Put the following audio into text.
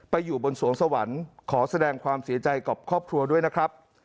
อยู่บนสวงสวรรค์ขอแสดงความเสียใจกับครอบครัวด้วยนะครับ